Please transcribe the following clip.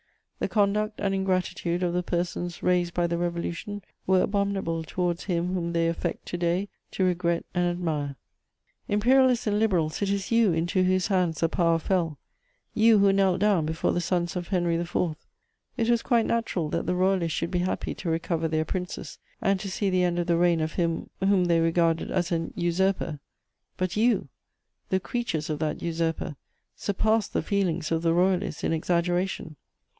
The conduct and ingratitude of the persons raised by the Revolution were abominable towards him whom they affect to day to regret and admire. [Sidenote: Its supporters.] Imperialists and Liberals, it is you into whose hands the power fell, you who knelt down before the sons of Henry IV. It was quite natural that the Royalists should be happy to recover their Princes and to see the end of the reign of him whom they regarded as an usurper; but you, the creatures of that usurper, surpassed the feelings of the Royalists in exaggeration.